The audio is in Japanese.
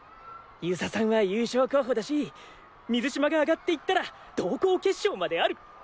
遊佐さんは優勝候補だし水嶋が上がっていったら同校決勝まである。